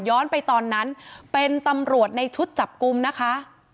ไปตอนนั้นเป็นตำรวจในชุดจับกลุ่มนะคะ